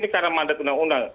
karena mandat undang undang